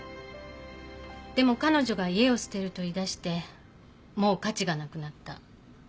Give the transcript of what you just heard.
でも彼女が家を捨てると言いだしてもう価値がなくなった。